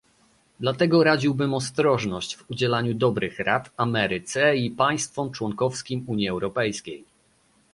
Dlatego radziłbym ostrożność w udzielaniu dobrych rad Ameryce i państwom członkowskim Unii Europejskiej